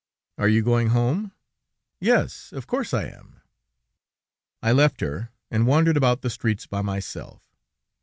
"'Are you going home?' "'Yes, of course I am.' "I left her, and wandered about the streets by myself.